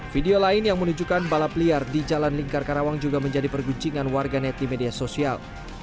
video lain yang menunjukkan balap liar di jalan lingkar karawang juga menjadi perguncingan warga net di media sosial